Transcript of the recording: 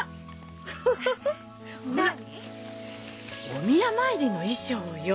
お宮参りの衣装よ。